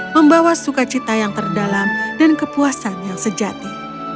membawa sukacita yang terdalam dan kepuasan yang sejati